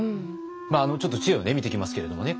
まああのちょっと知恵を見ていきますけれどもね